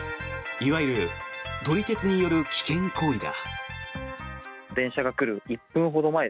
いわゆる撮り鉄による危険行為だ。